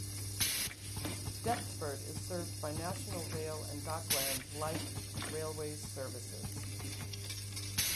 Deptford is served by National Rail and Docklands Light Railway services.